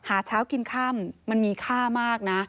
หาเช้ากินค่ำมันมีค่ามากนะ